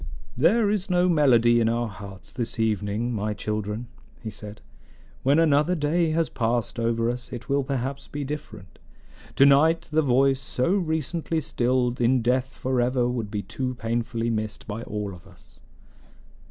"There is no melody in our hearts this evening, my children," he said. "When another day has passed over us it will perhaps be different. To night the voice so recently stilled in death forever would be too painfully missed by all of us."